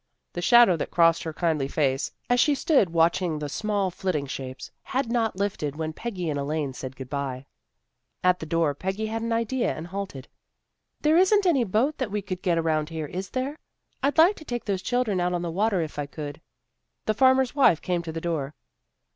The shadow that crossed her kindly face, as she stood watching the small flitting shapes, had not lifted when Peggy and Elaine said good bye. At the door Peggy had an idea, and halted. " There isn't any boat that we could get around here, is there? I'd like to take those children out on the water if I could." The farmer's wife came to the door.